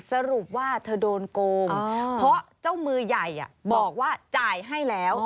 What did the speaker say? สรุปว่าเธอโดนโกงเพราะเจ้ามือใหญ่บอกว่าจ่ายให้แล้ว